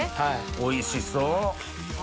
おいしそう。